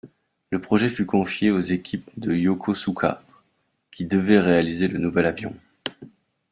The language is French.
Le projet fut confié aux équipes de Yokosuka qui devaient réaliser le nouvel avion.